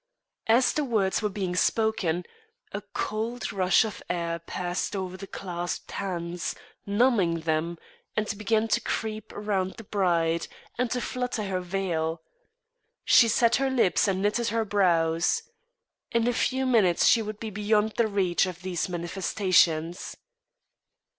As the words were being spoken, a cold rush of air passed over the clasped hands, numbing them, and began to creep round the bride, and to flutter her veil. She set her lips and knitted her brows. In a few minutes she would be beyond the reach of these manifestations.